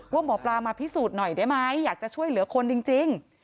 ว่าหมอปลามาพิสูจน์หน่อยได้ไหมอยากจะช่วยเหลือคนจริง